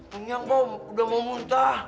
hanya kok udah mau muntah